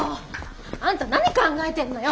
あんた何考えてんのよ。